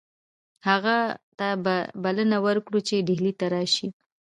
هغه ته به بلنه ورکړو چې ډهلي ته راشي.